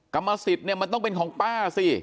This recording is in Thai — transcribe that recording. กรรมสิทธิ์เนี่ยมันต้องเป็นของป้าสิ